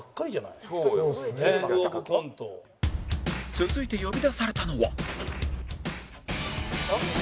続いて呼び出されたのは